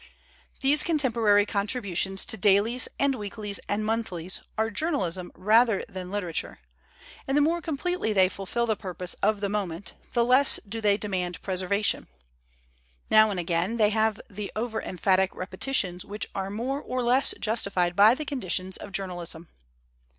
These con temporary contributions to dailies and weeklies and monthlies are journalism rather than lit erature; and the more completely they fulfill the purpose of the moment the less do they de mand preservation; now and again they have the over emphatic repetitions which are more ^justified by the conditions of journalism.